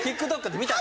ＴｉｋＴｏｋで見た？